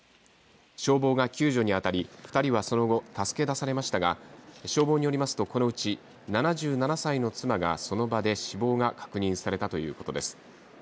消防が救助にあたり２人はその後助け出されましたが消防によりますとこのうち７７歳の妻がその場で死亡が確認されたということです。